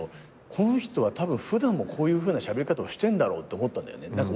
この人はたぶん普段もこういうふうなしゃべり方をしてんだろうって思ったんだよね。